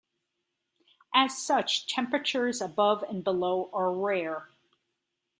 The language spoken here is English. As such, temperatures above and below are rare.